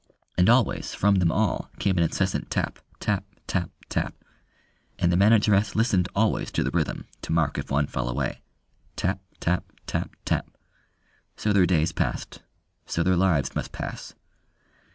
And always from them all came an incessant tap, tap, tap, tap, and the manageress listened always to the rhythm to mark if one fell away. Tap, tap, tap, tap: so their days passed, so their lives must pass.